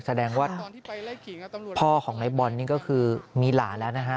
แสดงว่าพ่อของในบอลนี่ก็คือมีหลานแล้วนะฮะ